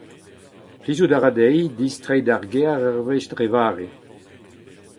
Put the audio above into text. Plijout a ra dezhi distreiñ d’ar gêr ur wech dre vare.